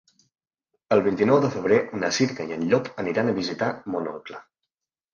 El vint-i-nou de febrer na Cira i en Llop aniran a visitar mon oncle.